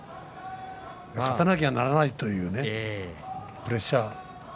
勝たなきゃならないというねプレッシャー。